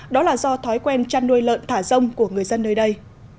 đó là do thói quen chăn nuôi lợn thả rông của người dân nơi đây